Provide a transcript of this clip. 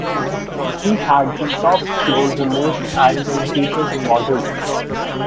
He had the top floor removed and the interior remodelled.